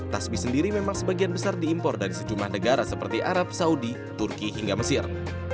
tasbi sendiri memang sebagian besar diimpor dari sejumlah negara seperti arab saudi turki hingga mesir